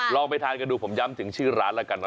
ลองไปทานกระดูกผมย้ำถึงชื่อร้านละกัน